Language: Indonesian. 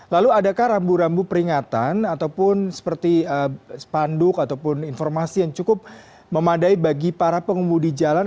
lalu adakah rambu rambu peringatan ataupun seperti spanduk ataupun informasi yang cukup memadai bagi para pengemudi jalan